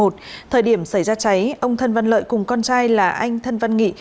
thời điểm xảy ra cháy ông thân văn lợi cùng con trai là anh thân văn nghị